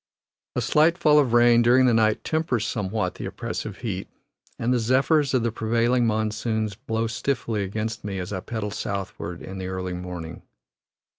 A slight fall of rain during the night tempers somewhat the oppressive heat, and the zephyrs of the prevailing monsoons blow stiffly against me as I pedal southward in the early morning.